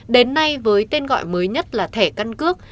đến nay với tên gọi mới nhất là thẻ căn cước